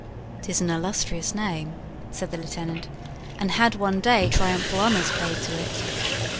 "'Tis an illustrious name," said the lieutenant, "and had one day triumphal honors paid to it."